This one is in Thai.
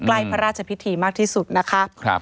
ใกล้พระราชพิธีมากที่สุดนะคะ